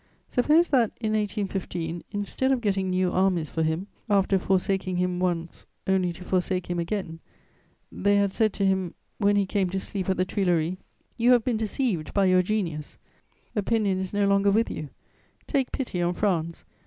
Suppose that, in 1815, instead of getting new armies for him, after forsaking him once only to forsake him again, they had said to him, when he came to sleep at the Tuileries: "You have been deceived by your genius, opinion is no longer with you; take pity on France.